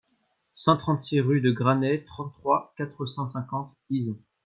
cent trente-six rue de Graney, trente-trois, quatre cent cinquante, Izon